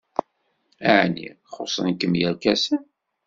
Ɛni xuṣṣen-kem yerkasen?